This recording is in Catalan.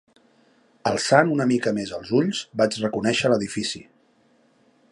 Alçant una mica més els ulls, vaig reconèixer l’edifici